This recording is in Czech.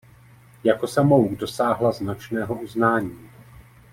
Jako samouk dosáhla značného uznání.